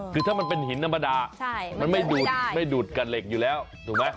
คือถ้ามันเป็นหินธรรมดามันไม่ดูดไม่ดูดกับเหล็กอยู่แล้วถูกไหม